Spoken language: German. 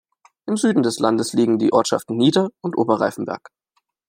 Im Süden des Ortes liegen die Ortschaften Nieder- und Oberreifenberg.